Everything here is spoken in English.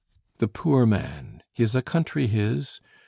The poor man is a country his?